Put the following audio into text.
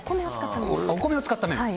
お米を使った麺です。